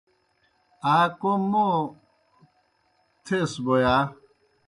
آ کوْم موں تھیس بوْ یا؟